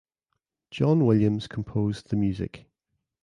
John Williams composed the music.